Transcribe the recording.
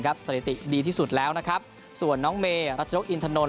สถิติดีที่สุดแล้วนะครับส่วนน้องเมรัชนกอินทนนท